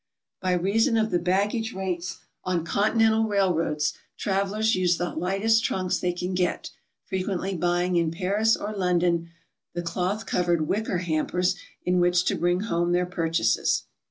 By reason of the baggage rates on Continental railroads, travelers use the lightest trunks they can get, frequently buying in Paris or London the cloth covered wicker hampers in which lo bring home their pur chases.